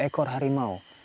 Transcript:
tiga puluh ekor harimau